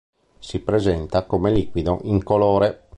Si presenta come liquido incolore.